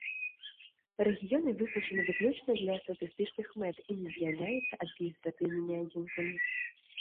Рэгіёны вызначаны выключна для статыстычных мэт і не з'яўляюцца адміністрацыйнымі адзінкамі.